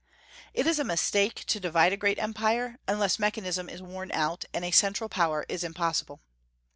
It is a mistake to divide a great empire, unless mechanism is worn out, and a central power is impossible.